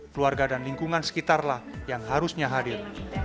keluarga dan lingkungan sekitarlah yang harusnya hadir